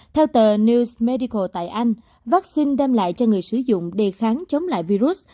theo tờ news medical tại anh vaccine đem lại cho người sử dụng đề kháng chống lại virus